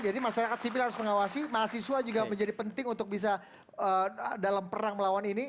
jadi masyarakat sivil harus mengawasi mahasiswa juga menjadi penting untuk bisa dalam perang melawan ini